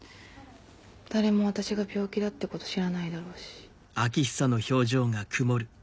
誰も私が病気だってこと知らないだろうし。